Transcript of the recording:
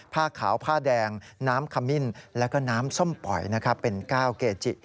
ผ้าขาวผ้าแดงน้ำขมิ้นแล้วก็น้ำส้มปล่อยเป็นก้าวเกจิ